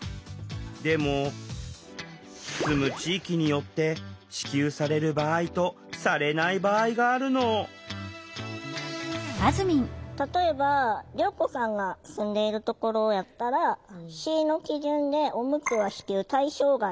でも住む地域によって支給される場合とされない場合があるの例えばりょうこさんが住んでいるところやったら市の基準でおむつは支給対象外で自腹。